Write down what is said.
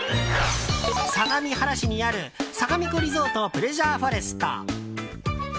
相模原市にあるさがみ湖リゾートプレジャーフォレスト。